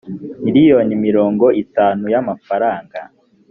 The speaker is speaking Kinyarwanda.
miliyoni mirongo itanu y’amafaranga